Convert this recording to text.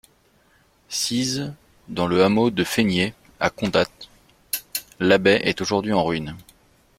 Sise dans le hameau de Feniers, à Condat, l'abbaye est aujourd'hui en ruines.